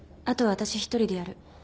あとは私一人でやる。